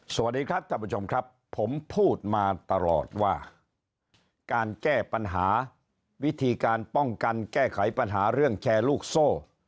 สวัสดีครับท่านผู้ชมครับผมพูดมาตลอดว่าการแก้ปัญหาวิธีการป้องกันแก้ไขปัญหาเรื่องแชร์ลูกโซ่